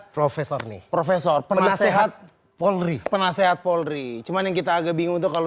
profesor nih profesor penasehat polri penasehat polri cuman yang kita agak bingung tuh kalau